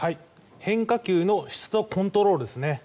変化球の質とコントロールですね。